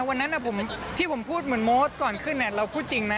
วันนั้นที่ผมพูดเหมือนโมสก่อนขึ้นเราพูดจริงนะ